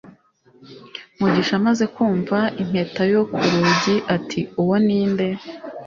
mugisha amaze kumva impeta yo ku rugi, ati uwo ni nde